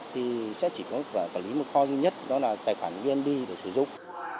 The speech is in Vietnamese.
thì sẽ chỉ có quản lý một kho duy nhất đó là tài khoản vned để sử dụng